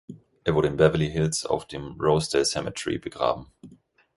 Er wurde in Beverly Hills auf dem Rosedale Cemetery begraben.